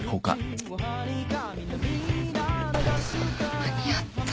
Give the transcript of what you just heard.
・間に合った。